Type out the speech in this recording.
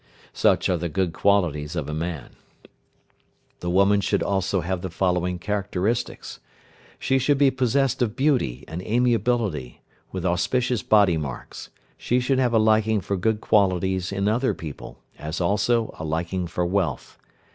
Such are the good qualities of a man. The woman also should have the following characteristics, viz.: She should be possessed of beauty, and amiability, with auspicious body marks. She should have a liking for good qualities in other people, as also a liking for wealth.